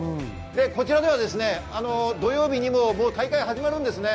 こちらでは土曜日にも大会が始まるんですよね。